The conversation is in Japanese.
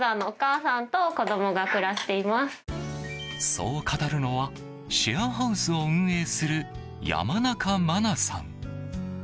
そう語るのはシェアハウスを運営する山中真奈さん。